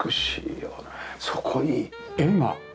そこに絵が。